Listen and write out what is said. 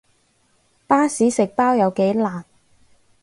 巴士食包有幾難